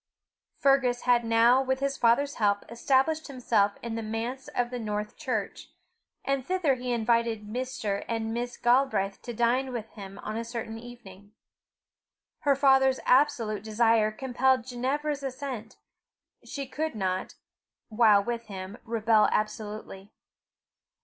Fergus had now with his father's help established himself in the manse of the North Church, and thither he invited Mr. and Miss Galbraith to dine with him on a certain evening. Her father's absolute desire compelled Ginevra's assent; she could not, while with him, rebel absolutely.